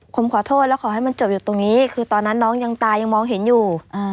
ผมขอโทษแล้วขอให้มันจบอยู่ตรงนี้คือตอนนั้นน้องยังตายังมองเห็นอยู่